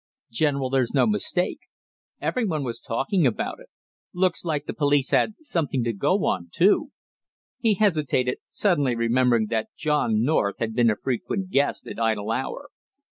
"General, there's no mistake; every one was talking about it! Looks like the police had something to go on, too " He hesitated, suddenly remembering that John North had been a frequent guest at Idle Hour.